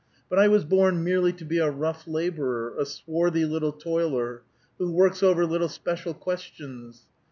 But I was born merely to be a rough laborer, a swarthy little toiler, who works over little special questions.